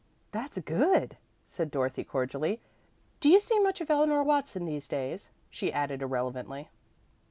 "That's good," said Dorothy cordially. "Do you see much of Eleanor Watson these days?" she added irrelevantly.